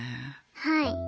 はい。